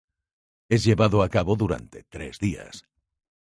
Es llevado a cabo durante tres días.